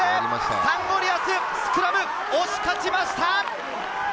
サンゴリアス、スクラムを押し勝ちました。